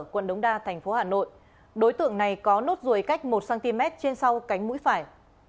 quận đống đa thành phố hà nội đối tượng này có nốt ruồi cách một cm trên sau cánh mũi phải